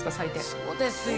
そうですよ。